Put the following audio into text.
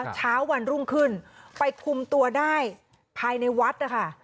เช้าวันรุ่งขึ้นไปคุมตัวได้ภายในวัดนะคะ